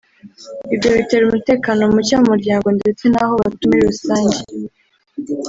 Ibyo bitera umutekano muke mu muryango ndetse n’aho batuye muri rusange